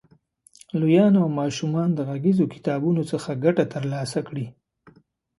لویان او ماشومان د غږیزو کتابونو څخه ګټه تر لاسه کړي.